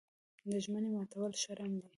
د ژمنې ماتول شرم دی.